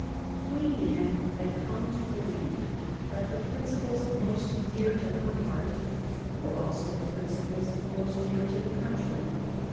Queen Anne had come to believe that the principles most dear to her own heart were also the principles most dear to the country.